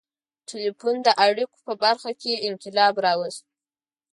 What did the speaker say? • ټیلیفون د اړیکو په برخه کې انقلاب راوست.